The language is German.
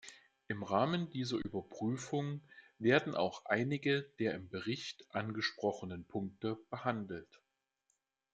Im Rahmen dieser Überprüfung werden auch einige der im Bericht angesprochenen Punkte behandelt.